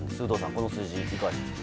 この数字、いかがでしょう？